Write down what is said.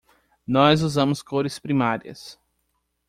Nós usamos cores primárias.